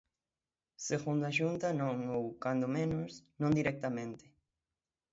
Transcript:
Segundo a Xunta, non ou, cando menos, non directamente.